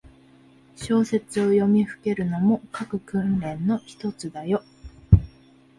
小説を読みふけるのも、書く訓練のひとつだよ。